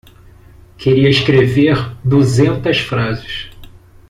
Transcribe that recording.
Queria escrever duzentas frases.